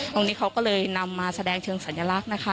ตรงนี้เขาก็เลยนำมาแสดงเชิงสัญลักษณ์นะคะ